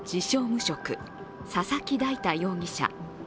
無職佐々木大太容疑者。